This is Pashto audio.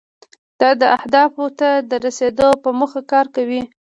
دا اهدافو ته د رسیدو په موخه کار کوي.